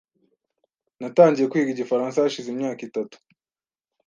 Natangiye kwiga igifaransa hashize imyaka itatu .